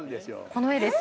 この絵です。